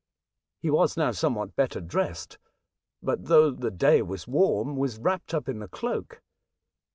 He was now somewhat better dressed, but, though the day was warm, was wrapped up in a cloak.